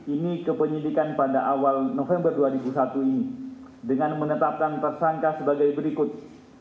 ini kepenyelidikan pada awal november dua ribu satu ini dengan menetapkan tersangka sebagai berikut